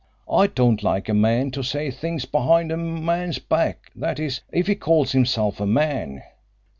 I don't like a man to say things behind a man's back, that is, if he calls himself a man.